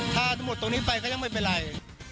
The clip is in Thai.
ถ้าหมดตรงนี้ไปก็ยังไม่เป็นไร